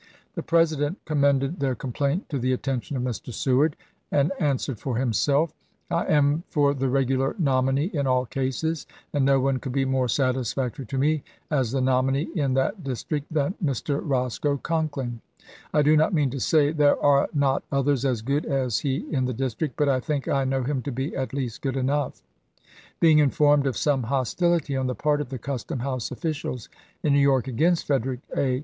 The President commended their complaint to the attention of Mr. Seward, and an swered for himself: " I am for the regular nominee in all cases, and no one could be more satisfactory to me as the nominee in that district than Mr. Lincoln [Roscoe] Conkling. I do not mean to say there Hunt, [are] not others as good as he in the district, but I Aug. 16, L J &' 186*. ms. think I know him to be at least good enough." Being informed of some hostility on the part of the custom house officials in New York against Frederick A.